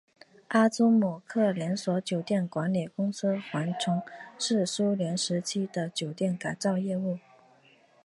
阿兹姆特连锁酒店管理公司还从事苏联时期的酒店改造业务。